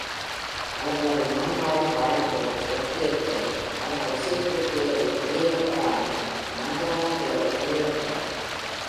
அவர்களது நான்காவது பாடல் தொகுப்பு, "Hate" ஐ, அவர்கள் இசைக் குழுப் பெயரில் வெளியிடப்படாமல், மந்த்ரா பெயரில் வெளியிடப்பட்டது.